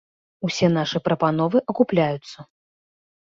Усе нашы прапановы акупляюцца.